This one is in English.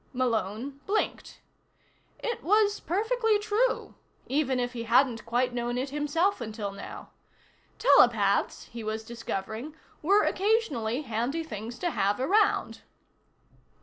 Malone blinked. It was perfectly true even if he hadn't quite known it himself until now. Telepaths, he was discovering, were occasionally handy things to have around.